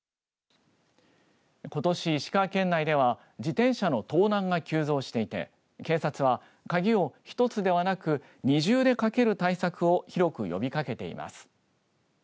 ことし石川県内では自転車の盗難が急増していて警察は鍵を１つではなく二重でかける対策を広く呼びかけています。